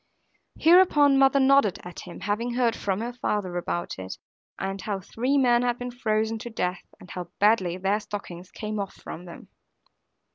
Hereupon mother nodded at him, having heard from her father about it, and how three men had been frozen to death, and how badly their stockings came off from them.